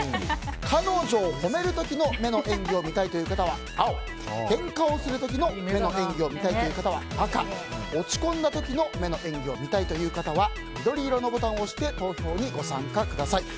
彼女を褒める時の目の演技を見たい方は青けんかをする時の目の演技を見たい方は赤落ち込んだ時の目の演技を見たい方は緑のボタンを押して投票にご参加ください。